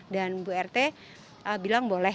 dan bu rt bilang boleh